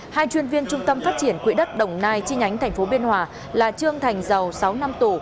hai chuyên viên trung tâm phát triển quỹ đất đồng nai chi nhánh tp biên hòa là trương thành giàu sáu năm tù